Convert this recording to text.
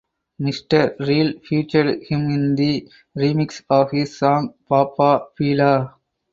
Mister Real featured him in the remix of his song Baba Fela.